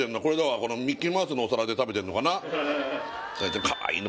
このミッキーマウスのお皿で食べてんのかな